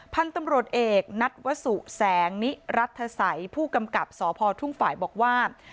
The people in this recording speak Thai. พันธุ์ตำรวจเอกนัทวสุแสงนิรัฐศัยผู้กำกับสพทุ่งฝ่ายบอกว่า